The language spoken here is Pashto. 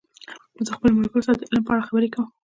زه د خپلو ملګرو سره د علم په اړه خبرې کوم.